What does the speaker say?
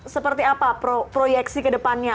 seperti apa proyeksi kedepannya